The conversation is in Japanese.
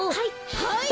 はい。